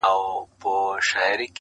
په تور لحد کي به نارې کړم!